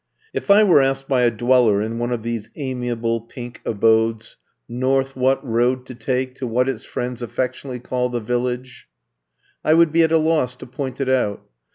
If I were asked by a dweller in one of these amiable pink abodes north what road to take to what its friends affectionately call The Village,*' I would be at a loss to point it out.